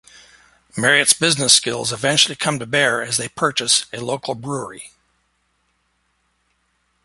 Mariette's business skills eventual come to bear as they purchase a local brewery.